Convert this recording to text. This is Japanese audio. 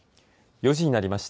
４時になりました。